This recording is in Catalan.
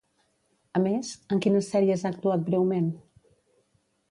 A més, en quines sèries ha actuat breument?